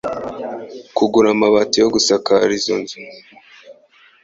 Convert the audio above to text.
kugura amabati yo gusakara izo nzu.